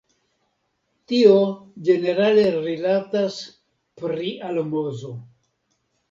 Tio ĝenerale rilatas pri almozo.